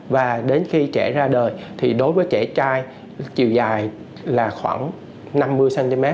và đến khi trẻ ra đời thì đối với trẻ trai chiều dài là khoảng năm mươi cm